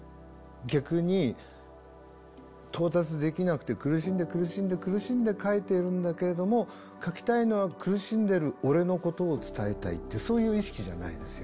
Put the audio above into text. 逆に到達できなくて苦しんで苦しんで苦しんで書いているんだけれども書きたいのは苦しんでる俺のことを伝えたいってそういう意識じゃないですよね。